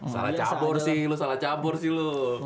salah cabur sih lu salah cabur sih lu